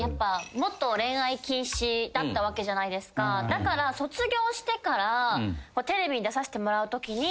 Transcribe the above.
だから卒業してからテレビに出させてもらうときに。